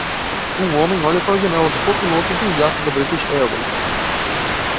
Um homem olha pela janela do copiloto de um jato da British Airways